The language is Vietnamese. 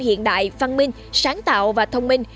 hiện đại văn minh sáng tạo và thông minh